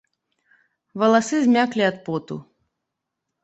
Валасы змяклі ад поту.